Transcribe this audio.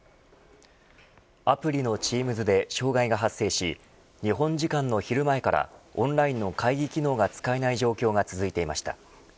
アプリのＴｅａｍｓで障害が発生し日本時間の昼前からオンラインの会議機能が使えない状況が続いていました。